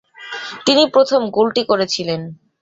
তিনি প্রথম গোলটি করেছিলেন।